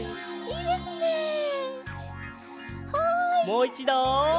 もういちどそれ！